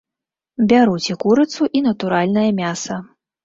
Бяруць і курыцу, і натуральнае мяса.